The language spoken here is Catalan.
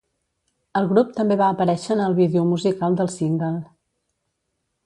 El grup també va aparèixer en el vídeo musical del single.